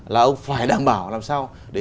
là ông phải đảm bảo làm sao để